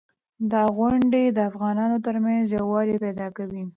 دا غونډې د افغانانو ترمنځ یووالی پیدا کوي.